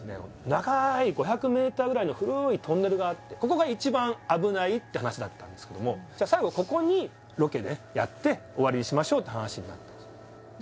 長い５００ｍくらいの古いトンネルがあってここが一番危ないって話だったんですけどもじゃ最後ここにロケねやって終わりにしましょうって話になったんですよで